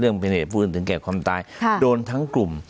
เป็นเหตุผู้อื่นถึงแก่ความตายโดนทั้งกลุ่ม